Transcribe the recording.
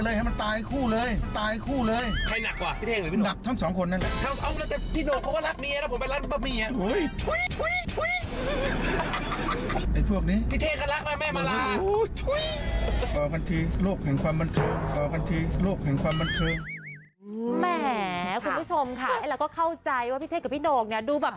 เพราะว่าเพียงก่อนอันนี้ก็เคยมีข่าวเนอะเออพี่โหนก็คือภรรยาเป็นพี่นกเนี้ยค่ะ